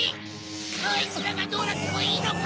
こいつらがどうなってもいいのか？